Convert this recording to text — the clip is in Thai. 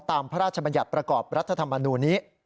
พระราชบัญญัติประกอบรัฐธรรมนูลนี้